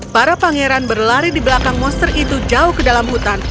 para pangeran berlari di belakang monster itu jauh ke dalam hutan